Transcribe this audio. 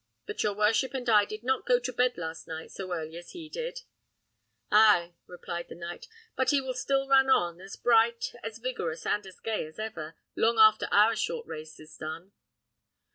But your worship and I did not go to bed last night so early as he did." "Ay!" replied the knight; "but he will still run on, as bright, as vigorous, and as gay as ever, long after our short race is done."